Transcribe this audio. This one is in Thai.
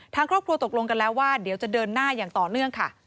ทางครอบครัวตกลงกันแล้วว่าเดี๋ยวจะเดินหน้าอย่างต่อเนื่องค่ะ